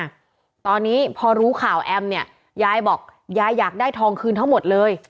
ตอนนี้พอรู้ข่าวแอมเนี่ยยายบอกยายอยากได้ทองคืนทั้งหมดเลย